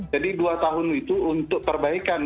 jadi dua tahun itu untuk perbaikan